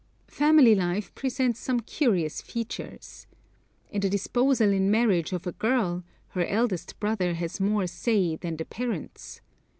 Family life presents some curious features. In the disposal in marriage of a girl, her eldest brother has more 'say' than the parents.